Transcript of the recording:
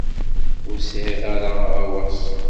Ur sɛiɣ ara aɣawas.